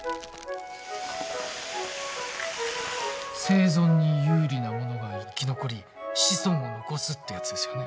生存に有利なものが生き残り子孫を残すってやつですよね？